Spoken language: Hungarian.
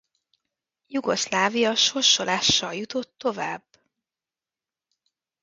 Jugoszlávia sorsolással jutott tovább.